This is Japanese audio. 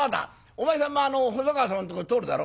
お前さんもあの細川様のとこ通るだろ？